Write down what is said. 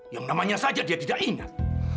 yang namanya saja dia tidak ingat